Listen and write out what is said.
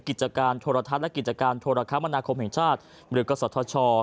กิจการโทรทัศน์และกิจการโทรคมนาคมแห่งชาติหรือกศธช